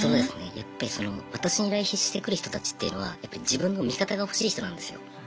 やっぱりその私に依頼してくる人たちっていうのはやっぱ自分の味方が欲しい人なんですよ。